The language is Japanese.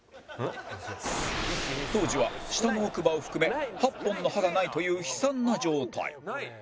当時は下の奥歯を含め８本の歯がないという悲惨な状態